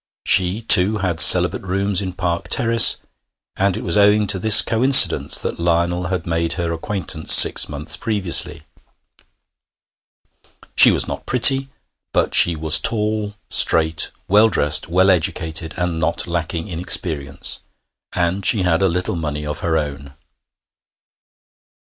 She, too, had celibate rooms in Park Terrace, and it was owing to this coincidence that Lionel had made her acquaintance six months previously. She was not pretty, but she was tall, straight, well dressed, well educated, and not lacking in experience; and she had a little money of her own.